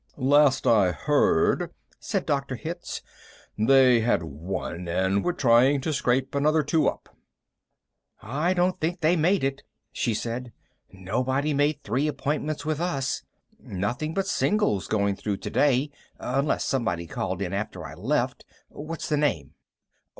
"Last I heard," said Dr. Hitz, "they had one, and were trying to scrape another two up." "I don't think they made it," she said. "Nobody made three appointments with us. Nothing but singles going through today, unless somebody called in after I left. What's the name?"